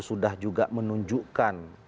sudah juga menunjukkan